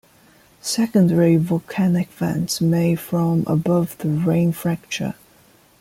Secondary volcanic vents may form above the ring fracture.